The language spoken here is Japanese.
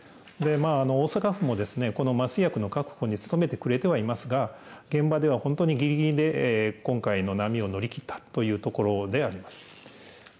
大阪府もこの麻酔薬の確保に努めてくれてはいますが、現場では本当にぎりぎりで、今回の波を乗り切ったというところであります。